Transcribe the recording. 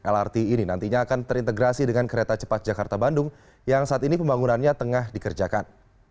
lrt ini nantinya akan terintegrasi dengan kereta cepat jakarta bandung yang saat ini pembangunannya tengah dikerjakan